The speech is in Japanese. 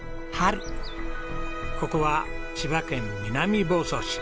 ここは千葉県南房総市。